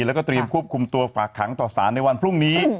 แล้วก็เตรียมควบคุมตัวฝากขังต่อสารในวันพรุ่งนี้